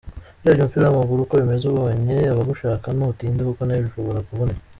Urebye umupira w’amaguru uko bimeze ubonye abagushaka ntutinda kuko n’ejo ushobora kuvunika.